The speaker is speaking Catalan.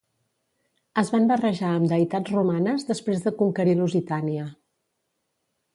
Es van barrejar amb deïtats romanes després de conquerir Lusitània.